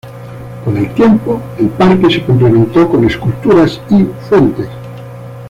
Con el tiempo, el parque se complementó con esculturas y fuentes.